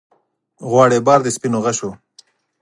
غواړي بار د سپینو غشو